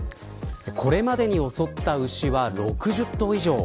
これまでに襲った牛は６０頭以上。